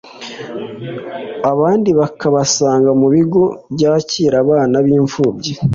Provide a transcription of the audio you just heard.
abandi bakabasanga mu bigo byakira abana bimfubyi